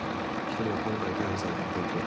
一人は今回逮捕された小池。